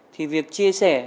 thì việc chia sẻ